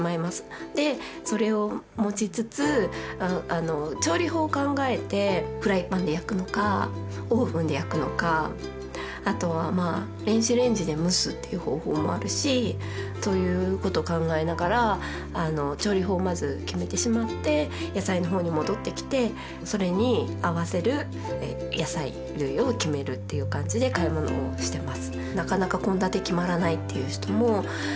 でそれを持ちつつ調理法を考えてフライパンで焼くのかオーブンで焼くのかあとは電子レンジで蒸すっていう方法もあるしそういうことを考えながら調理法をまず決めてしまって野菜のほうに戻ってきてそれに合わせる野菜類を決めるっていう感じで買い物をしてます。